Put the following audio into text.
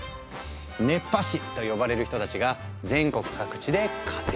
「熱波師」と呼ばれる人たちが全国各地で活躍中。